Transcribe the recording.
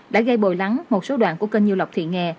đã gây bồi lắng một số đoạn của kênh nhiêu lộc thị nghè